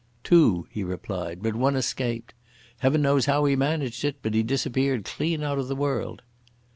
"Two," he replied, "but one escaped. Heaven knows how he managed it, but he disappeared clean out of the world."